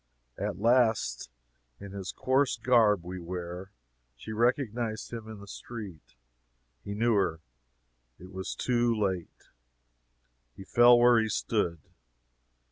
At last, in this coarse garb we wear, she recognized him in the street. He knew her. It was too late. He fell where he stood.